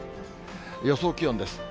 予想気温です。